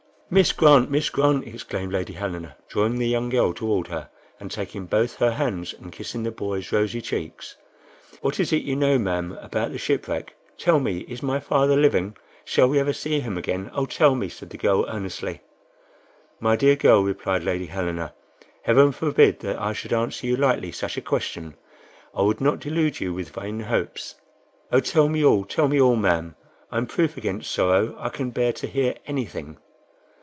"Miss Grant, Miss Grant!" exclaimed Lady Helena, drawing the young girl toward her, and taking both her hands and kissing the boy's rosy cheeks. "What is it you know, ma'am, about the shipwreck? Tell me, is my father living? Shall we ever see him again? Oh, tell me," said the girl, earnestly. "My dear child," replied Lady Helena. "Heaven forbid that I should answer you lightly such a question; I would not delude you with vain hopes." "Oh, tell me all, tell me all, ma'am. I'm proof against sorrow. I can bear to hear anything."